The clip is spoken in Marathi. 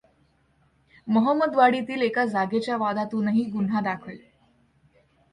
महंमदवाडीतील एका जागेच्या वादातूनही गुन्हा दाखल.